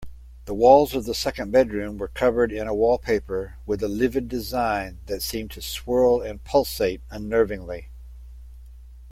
The walls of the second bedroom were covered in a wallpaper with a livid design that seemed to swirl and pulsate unnervingly.